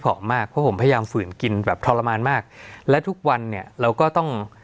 ออกมาเพราะผมพยายามฝืนกินแบบทรมานมากและทุกวันเนี่ยเราก็ต้อง